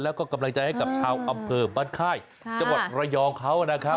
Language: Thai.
แล้วก็กำลังใจให้กับชาวอำเภอบ้านค่ายจังหวัดระยองเขานะครับ